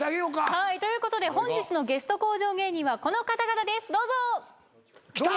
はいということで本日のゲスト向上芸人はこの方々ですどうぞ。来た！